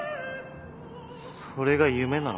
それが夢なのか？